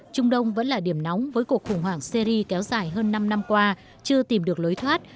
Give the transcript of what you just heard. trung đông vẫn là điểm nóng với cuộc khủng hoảng syri kéo dài hơn năm năm qua chưa tìm được lối thoát